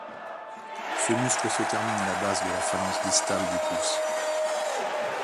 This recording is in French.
Ce muscle se termine à la base de la phalange distale du pouce.